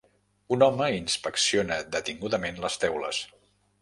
un home inspecciona detingudament les teules